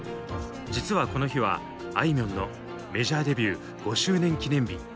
実はこの日はあいみょんのメジャーデビュー５周年記念日。